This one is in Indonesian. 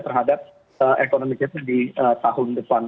terhadap ekonomi kita di tahun depan